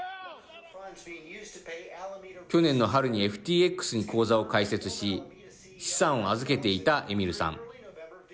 去年の春にＦＴＸに口座を開設し資産を預けていたエミルさん。